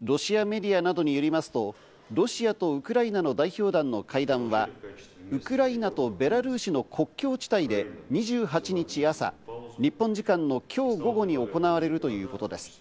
ロシアメディアなどによりますと、ロシアとウクライナの代表団の会談はウクライナとベラルーシの国境地帯で２８日朝、日本時間の今日午後に行われるということです。